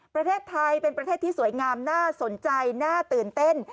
ประเทศไทยเป็นประเทศที่สวยงามน่าสนใจน่าตื่นเต้น